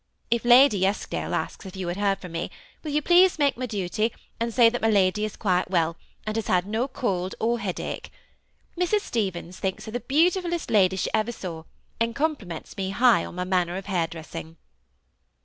If Lady Eskdale asks if you have heard from me, will you, please, make my duty, and say that my Lady is quite well, and has had no cold or heada(;he. Mrs. Stevens thinks her the beautifuUest lady she ever saw, and compliments me high on my manner of hair dressing.